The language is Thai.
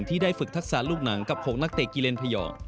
ที่ได้ฝึกทักษะลูกหนังกับ๖นักเตะกิเลนพยอก